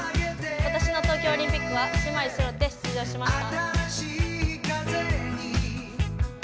今年の東京オリンピックは姉妹そろって出場しました。